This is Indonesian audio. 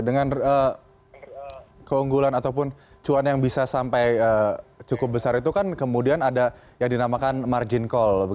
dengan keunggulan ataupun cuan yang bisa sampai cukup besar itu kan kemudian ada yang dinamakan margin call